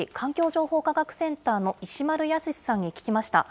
情報科学センターの石丸泰さんに聞きました。